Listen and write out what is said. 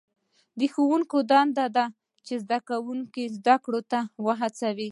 د ښوونکي دنده ده چې زده کوونکي زده کړو ته هڅوي.